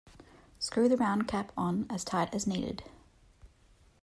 Screw the round cap on as tight as needed.